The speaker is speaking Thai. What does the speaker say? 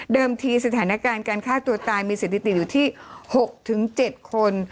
ทีสถานการณ์การฆ่าตัวตายมีสถิติอยู่ที่๖๗คน